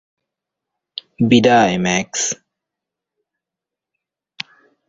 বিদায়, ম্যাক্স।